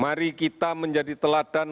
mari kita menjadi teladan